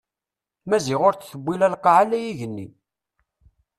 Maziɣ ur t-tewwi la lqaɛa la igenni.